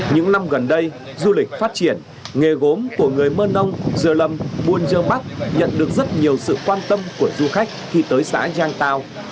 những năm gần đây du lịch phát triển nghề gốm của người mơ nông buôn dơ bắc nhận được rất nhiều sự quan tâm của du khách khi tới xã giang tao